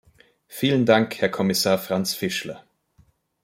Vielen Dank, Herr Kommissar Franz Fischler.